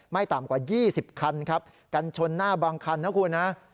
ต่ำกว่า๒๐คันครับกันชนหน้าบางคันนะคุณนะ